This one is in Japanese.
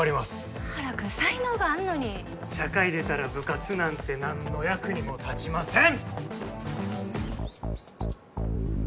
久我原くん才能があんのに社会出たら部活なんて何の役にも立ちません